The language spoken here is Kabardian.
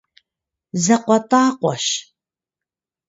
ЗакъуэтӀакъуэщ…